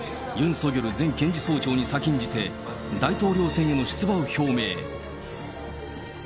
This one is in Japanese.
ソギョル前検事総長に先んじて、大統領選への出馬を表明。